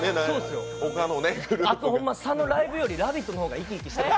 ほんま佐野、ライブより「ラヴィット！」の方が生き生きしてる。